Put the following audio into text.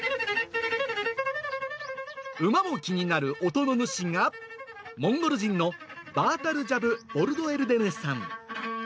馬も気になる音の主が、モンゴル人のバータルジャブ・ボルドエルデネさん。